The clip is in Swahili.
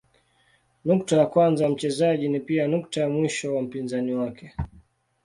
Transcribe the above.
Nukta ya kwanza ya mchezaji ni pia nukta ya mwisho wa mpinzani wake.